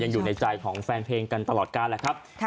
อยู่ในใจของแฟนเพลงกันตลอดการแหละครับ